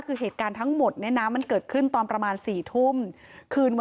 คือเหตุการณ์ทั้งหมดเนี่ยนะมันเกิดขึ้นตอนประมาณ๔ทุ่มคืนวัน